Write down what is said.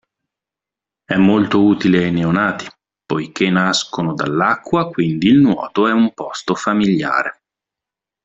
È molto utile ai neonati, poichè nascono dall'acqua quindi il nuoto è un posto famigliare.